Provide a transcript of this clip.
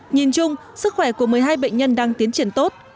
nhìn chung sức khỏe của một mươi hai bệnh nhân đang tiến triển tốt